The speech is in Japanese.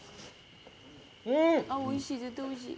おいしい、絶対おいしい。